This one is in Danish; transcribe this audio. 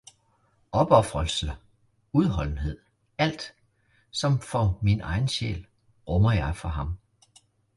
Opofrelse, udholdenhed, alt, som for min egen sjæl, rummer jeg for ham